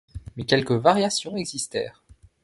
Mais quelques variations existèrent.